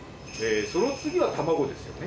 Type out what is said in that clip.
その次は卵ですよね？